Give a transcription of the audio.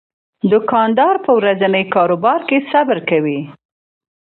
دوکاندار په ورځني کاروبار کې صبر کوي.